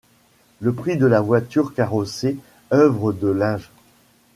Le prix de la voiture carrossée, œuvre de l'Ing.